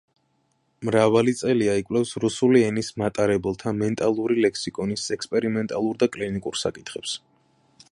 მრავალი წელია იკვლევს რუსული ენის მატარებელთა „მენტალური ლექსიკონის“ ექსპერიმენტალურ და კლინიკურ საკითხებს.